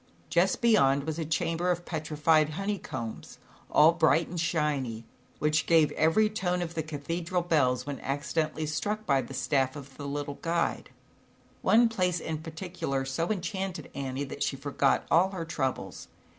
Just beyond was a chamber of petrified honey combs, ZAUBERLINDA, THE WISE WITCH. 123 all bright and shiny, which gave every tone of the cathedral bells, when acci dently struck by the staff of the little guide. One place in particular so enchanted Annie that she forgot all her troubles.